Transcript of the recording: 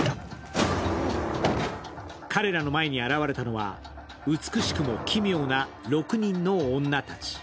彼らの前に現れたのは、美しくも奇妙な６人の女たち。